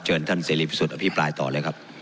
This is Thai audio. ท่านเสรีพิสุทธิ์อภิปรายต่อเลยครับ